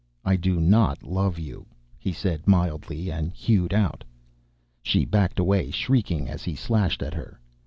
"I do not love you," he said mildly, and hewed out. She backed away, shrieking as he slashed at her.